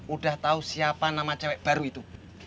udah tahu siapa nama cewek baru itu